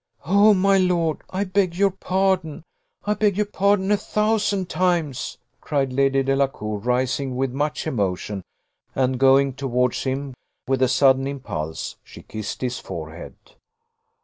"Oh, my lord! I beg your pardon, I beg your pardon a thousand times," cried Lady Delacour, rising with much emotion; and, going towards him with a sudden impulse, she kissed his forehead.